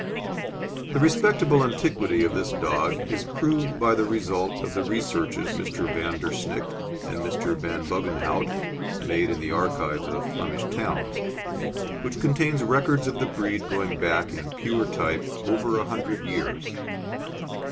The respectable antiquity of this dog is proved by the result of the researches Mr. Van der Snickt and Mr. Van Buggenhoudt made in the archives of Flemish towns, which contain records of the breed going back in pure type over a hundred years.